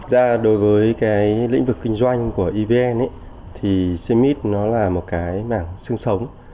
ra đối với cái lĩnh vực kinh doanh của evn thì cmit nó là một cái mảng sương sống